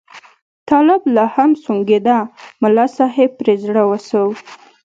طالب لا هم سونګېده، ملا صاحب پرې زړه وسو.